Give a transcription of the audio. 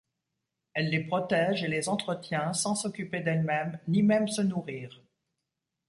Elle les protège et les entretient sans s’occuper d’elle-même ni même se nourrir.